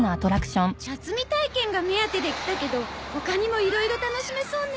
茶摘み体験が目当てで来たけど他にもいろいろ楽しめそうね。